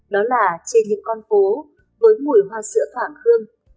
đó là trên những con phố với mùi hoa sữa thoảng hương